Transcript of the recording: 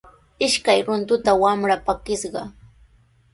Ishkay runtuta wamra pakishqa.